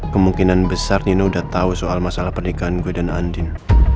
kemungkinan besar nino udah tahu soal masalah pernikahan gue dan andin